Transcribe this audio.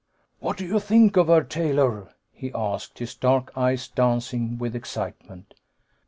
"What do you think of her, Taylor?" he asked, his dark eyes dancing with excitement.